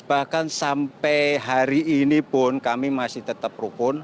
bahkan sampai hari ini pun kami masih tetap rukun